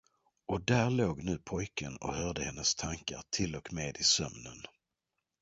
Och där låg nu pojken och hörde hennes tankar till och med i sömnen.